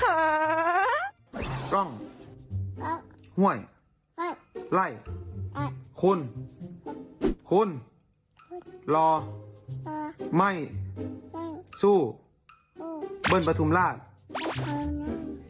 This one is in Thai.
ประกองห่วยไรคุณคุณรอไม่สู้เบิ้ลประทุมราช